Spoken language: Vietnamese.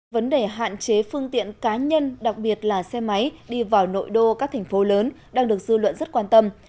vấn đề hạn chế phương tiện cá nhân đặc biệt là xe máy đi vào nội đô các thành phố lớn đang được dư luận rất quan tâm